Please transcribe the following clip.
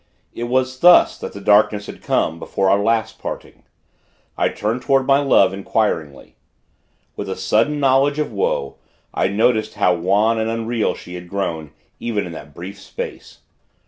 It was thus, that the darkness had come, before our last parting. I turned toward my Love, inquiringly. With a sudden knowledge of woe, I noticed how wan and unreal she had grown, even in that brief space.